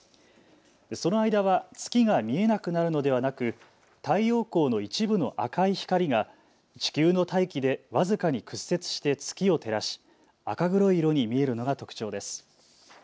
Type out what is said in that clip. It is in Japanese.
その間は月が見えなくなるのではなく太陽光の一部の赤い光が地球の大気で僅かに屈折して月を照らし赤黒い色に見えるのが特徴です。